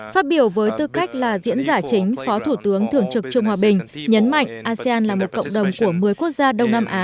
phát biểu với tư cách là diễn giả chính phó thủ tướng thường trực trung hòa bình nhấn mạnh asean là một cộng đồng của một mươi quốc gia đông nam á